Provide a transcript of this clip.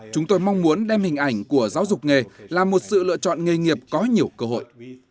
chúng tôi mong muốn đem hình ảnh của giáo dục nghề là một sự lựa chọn nghề nghiệp có nhiều cơ hội